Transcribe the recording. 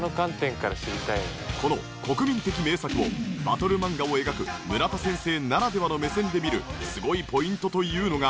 この国民的名作をバトル漫画を描く村田先生ならではの目線で見るすごいポイントというのが。